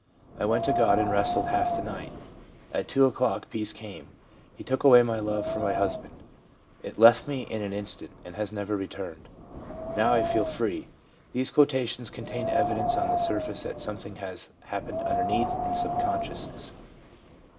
I went to God and wrestled half the night. At two o'clock peace came. He took away my love for my hysband. It left me in an instant, and has never returned. Now I feel free/ These quotations contain evidence on the surface that something has been happening underneath in sub consciousness.